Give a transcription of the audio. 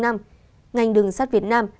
ngành đường sắt việt nam đạt